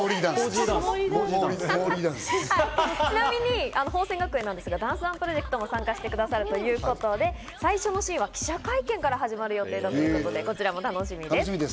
ちなみに宝仙学園なんですけど、ダンスＯＮＥプロジェクトにも参加してくださるということで、最初のシーンは記者会見から始まる予定だということで、こちらも楽しみです。